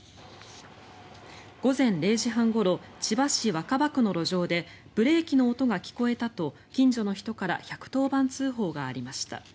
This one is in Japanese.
午前０時半ごろ千葉市若葉区の路上でブレーキの音が聞こえたと近所の人から１１０番通報がありました。